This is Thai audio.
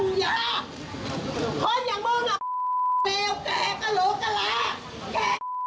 คนอย่างมึงล่ะเลวแกก็หลุกก็ล้า